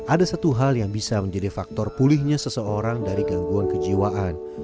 ada satu hal yang bisa menjadi faktor pulihnya seseorang dari gangguan kejiwaan